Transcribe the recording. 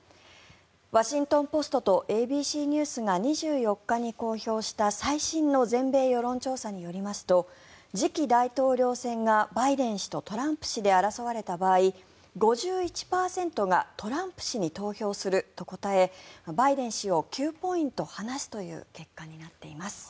ワシントン・ポストとＡＢＣニュースが２４日に公表した最新の全米世論調査によりますと時期大統領選がバイデン氏とトランプ氏で争われた場合５１％がトランプ氏に投票すると答えバイデン氏を９ポイント離すという結果になっています。